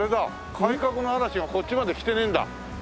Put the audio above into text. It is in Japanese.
改革の嵐がこっちまで来てねえんだ。